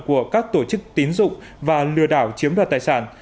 của các tổ chức tín dụng và lừa đảo chiếm đoạt tài sản